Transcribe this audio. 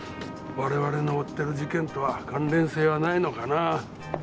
我々の追ってる事件とは関連性はないのかなぁ。